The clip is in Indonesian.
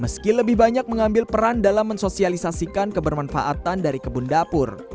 meski lebih banyak mengambil peran dalam mensosialisasikan kebermanfaatan dari kebun dapur